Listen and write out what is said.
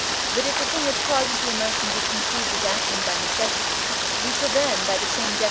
But if the thing which causes the emotion be conceived as acting by necessity, we shall then (by the same Def.